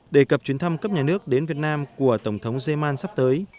đề cập chuyến thăm cấp nhà nước đến việt nam của tổng thống zeman sắp tới